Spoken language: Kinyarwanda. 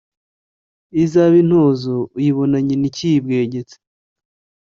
Izaba intozo uyibona nyina ikiyibwegetse